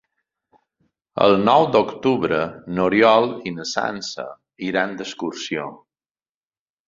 El nou d'octubre n'Oriol i na Sança iran d'excursió.